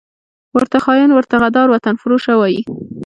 ورته خاین، ورته غدار، وطنفروشه وايي